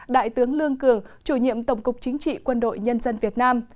đại tướng lương cường chủ nhiệm tổng cục chính trị quân đội nhân dân việt nam